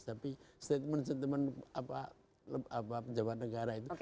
tapi statement statement apa penjabat negara itu